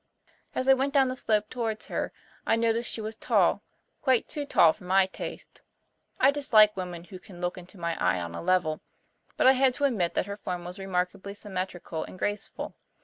As I went down the slope towards her I noticed she was tall quite too tall for my taste. I dislike women who can look into my eyes on a level but I had to admit that her form was remarkably symmetrical and graceful.